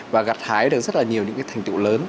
và gặt hái được rất là nhiều những cái thành tựu lớn